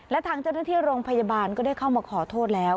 และทางเจ้าหน้าที่โรงพยาบาลก็ได้เข้ามาขอโทษแล้ว